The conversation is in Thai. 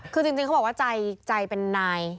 คือจริงเขาบอกว่าใจเป็นนาย